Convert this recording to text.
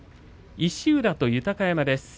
石浦と豊山です。